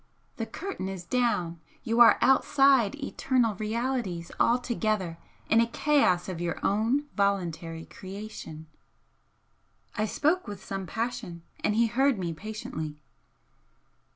The curtain is down, you are outside eternal realities altogether in a chaos of your own voluntary creation!" I spoke with some passion, and he heard me patiently.